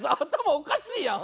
おかしいやん。